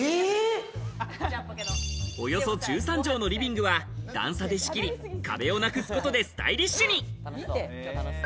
およそ１３畳のリビングは段差で仕切り、壁をなくすことでスタイリッシュに。